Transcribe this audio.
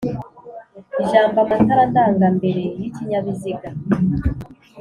Ijambo “amatara ndangambere yikinyabiziga